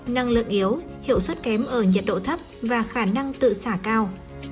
năng lượng yếu hiệu suất kém ở nhiệt độ thấp và khả năng tự xả cao